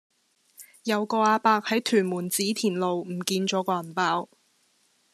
有個亞伯喺屯門紫田路唔見左個銀包